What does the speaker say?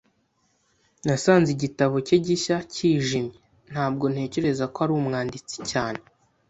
Nasanze igitabo cye gishya kijimye. Ntabwo ntekereza ko ari umwanditsi cyane.